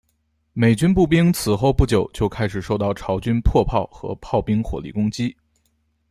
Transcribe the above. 美军步兵此后不久就开始受到朝军迫炮和炮兵火力攻击。